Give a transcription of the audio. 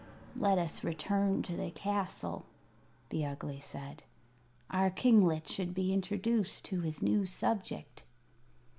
"Let us return to the castle," the Ugly said. "Our kinglet should be introduced to his new subject."